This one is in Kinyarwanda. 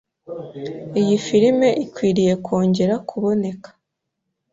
Iyi firime ikwiriye kongera kuboneka.